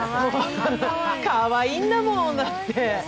かわいいんだもん、だって。